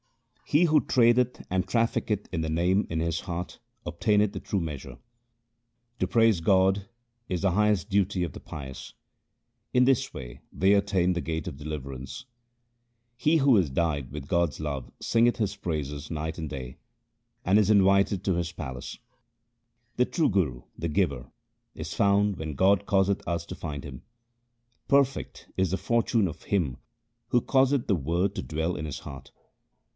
He who tradeth and trafficketh in the Name in his heart obtaineth the true treasure. To praise God is the highest duty of the pious : In this way they attain the gate of deliverance. He who is dyed with God's love singeth His praises night and day, and is invited to His palace. The true Guru, the giver, is found when God causeth us to find him. Perfect is the fortune of him who causeth the Word to dwell in his heart.